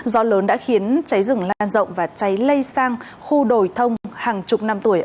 gió lớn đã khiến cháy rừng lan rộng và cháy lây sang khu đồi thông hàng chục năm tuổi